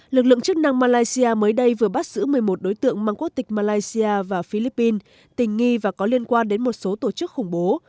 lực lượng chức năng malaysia mới đây vừa bắt giữ một mươi một đối tượng mang quốc tịch malaysia và philippines tình nghi và có liên quan đến một số tổ chức khủng bố